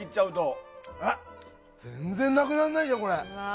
全然なくならないよ、これ。